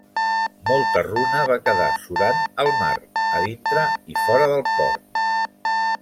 Molta runa va quedar surant al mar, a dintre i fora del port.